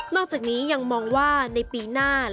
อกจากนี้ยังมองว่าในปีหน้า